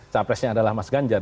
capresnya adalah mas ganjar